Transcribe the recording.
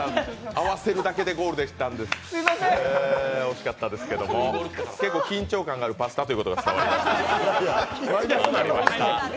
合わせるだけでゴールだったので惜しかったんですが、結構緊張感があるパスタということが伝わりました。